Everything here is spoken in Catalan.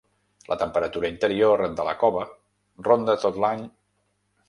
La temperatura interior de la cova ronda tot l'any.